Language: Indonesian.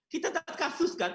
kita tetap kasus kan